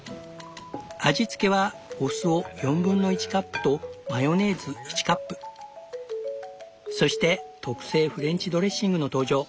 味付けはお酢を1/4カップとマヨネーズ１カップそして特製フレンチドレッシングの登場。